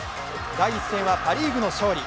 第１戦はパ・リーグの勝利。